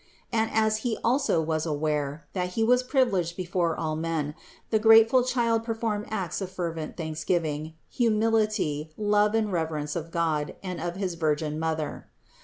And as he also was aware, that he was privileged before all men, the grateful child performed acts of fervent thanksgiving, humility, love and reverence of God and of his Virgin Mother.